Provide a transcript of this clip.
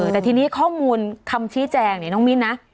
แต่ทีนี้ข้อมูลคำชี้แจงเนี่ยน้องมิ้นนะ